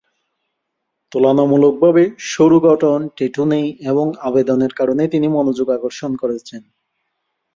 তুলনামূলকভাবে সরু গড়ন, ট্যাটু নেই এবং আবেদনের কারণে তিনি মনোযোগ আকর্ষণ করেছেন।